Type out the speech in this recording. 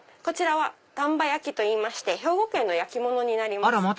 こちらは丹波焼といいまして兵庫県の焼き物になります。